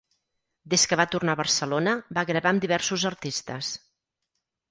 Des que va tornar a Barcelona va gravar amb diversos artistes.